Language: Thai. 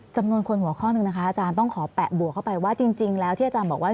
จำนวนคนหัวข้อหนึ่งนะคะอาจารย์ต้องขอแปะบวกเข้าไปว่าจริงแล้วที่อาจารย์บอกว่า